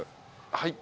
はい。